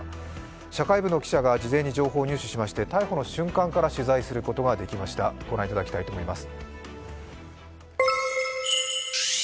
社会部の記者が事前に情報を入手しまして逮捕の瞬間から取材することができました、ご覧いただきたいと思います。